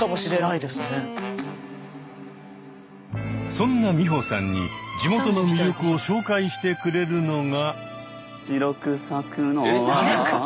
そんな美穂さんに地元の魅力を紹介してくれるのが。